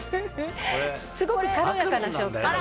すごく軽やかな食感で。